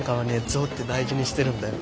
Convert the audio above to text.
ゾウって大事にしてるんだよ。